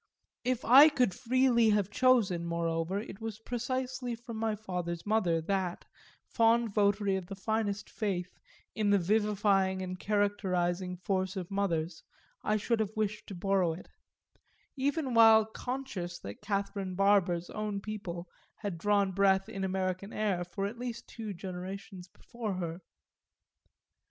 If I could freely have chosen moreover it was precisely from my father's mother that, fond votary of the finest faith in the vivifying and characterising force of mothers, I should have wished to borrow it; even while conscious that Catherine Barber's own people had drawn breath in American air for at least two generations before her.